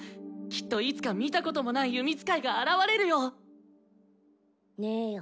きっといつか見たこともない弓使いが現れるよ！ねぇよ。